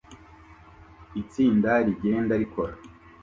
Itsinda rigenda rikora